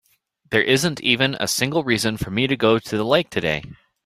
There isn't even a single reason for me to go to the lake today.